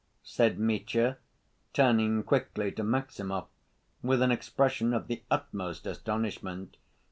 said Mitya, turning quickly to Maximov with an expression of the utmost astonishment.